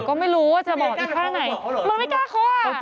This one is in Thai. แต่ก็ไม่รู้ว่าจะบอกอีกข้างไหนเค้าไม่กล้าเขาบอกเขาเหรอ